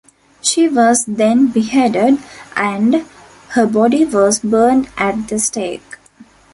She was then beheaded, and her body was burned at the stake.